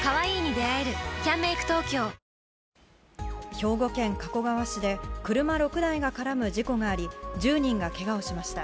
兵庫県加古川市で車６台が絡む事故があり１０人がけがをしました。